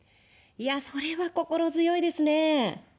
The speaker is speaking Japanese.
いやあ、それは心強いですね。